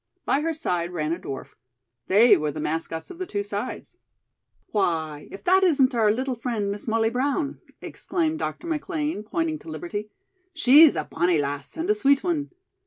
By her side ran a dwarf. They were the mascots of the two sides. "Why, if that isn't our little friend, Miss Molly Brown," exclaimed Dr. McLean, pointing to Liberty. "She's a bonnie lass and a sweet one.